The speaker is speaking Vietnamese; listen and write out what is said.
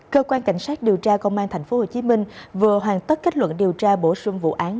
cơ quan cảnh sát điều tra công an tp hcm vừa hoàn tất kết luận điều tra bổ sung vụ án